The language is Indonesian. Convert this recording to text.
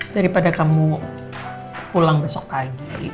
daripada kamu pulang besok pagi